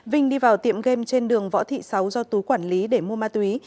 vinh đi vào tiệm game trên đường võ thị sáu do tú quản lý để mua ma túy